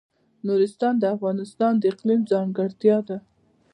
نورستان د افغانستان د اقلیم ځانګړتیا ده.